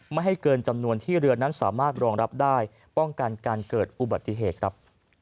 ไม่ให้เกินจำนวนที่เรือนั้นสามารถรองรับได้ป้องกันการเกิดอุบัติเหตุครับ